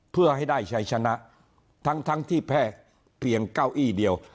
เพื่อให้ได้ชัยชนะทั้งที่แพร่เพียงเก้าอี้เดียว